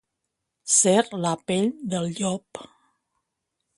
Ser, la pell, del llop.